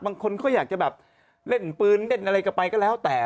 บางคนเขาอยากจะแบบเล่นปืนเล่นอะไรก็ไปก็แล้วแต่